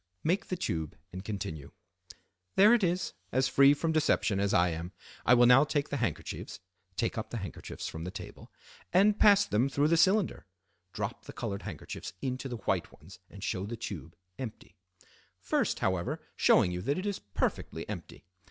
Make the tube and continue—"There it is, as free from deception as I am. I will now take the handkerchiefs" (take up the handkerchiefs from the table) "and pass them through the cylinder" (drop the colored handkerchiefs into the white ones and show the tube empty), "first, however, showing you that it is perfectly empty.